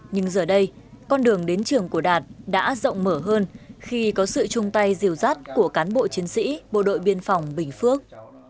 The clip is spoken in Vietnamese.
nhưng giờ đây con đường đến trường của đạt đã rộng mở hơn khi có sự chung tay diều dắt của cán bộ chiến sĩ bộ đội biên phòng bình phước